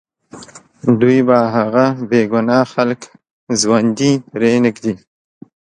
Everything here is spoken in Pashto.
دوی به هغه بې ګناه خلک ژوندي پرېنږدي